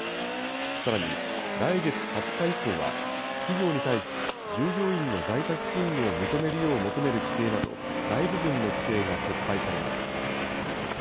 さらに、来月２０日以降は、企業に対し、従業員の在宅勤務を認めるよう求める規制など、大部分の規制が撤廃されます。